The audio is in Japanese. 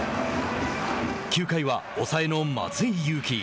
９回は抑えの松井裕樹。